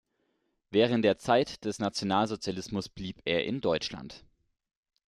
Während der Zeit des Nationalsozialismus blieb er in Deutschland.